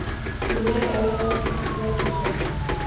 Demak, oyog‘i qattiq lat yegan.